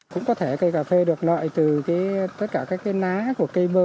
cũng có thể cây cà phê được loại từ tất cả các cái ná của cây mơ